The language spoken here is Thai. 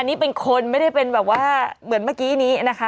นี่เป็นคนไม่ได้เป็นแบบว่าเหมือนเมื่อกี้นี้นะคะ